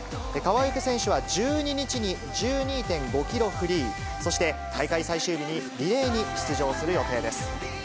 川除選手は、１２日に、１２．５キロフリー、そして大会最終日にリレーに出場する予定です。